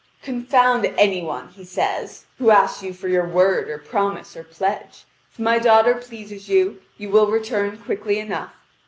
"Confound any one," he says, "who asks you for your word or promise or pledge. If my daughter pleases you, you will return quickly enough.